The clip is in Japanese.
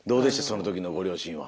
その時のご両親は。